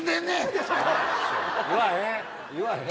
言わへん。